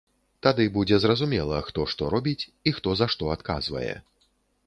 Тады будзе зразумела, хто што робіць і хто за што адказвае.